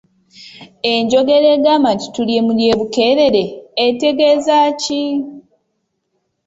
Enjogera egamba nti tuli mu ly’e Bukeerere etegeeza ki?.